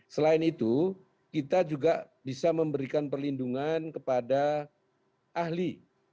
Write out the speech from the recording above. selain itu kita juga bisa memberikan perlindungan kepada ahli